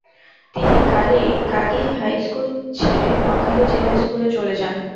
তিনি কাগিল হাইস্কুল ছেড়ে নোয়াখালী জেলা স্কুলে চলে যান।